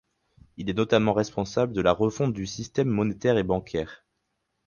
Il est notamment responsable de la refonte du système monétaire et bancaire.